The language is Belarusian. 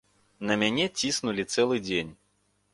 На мяне ціснулі цэлы дзень.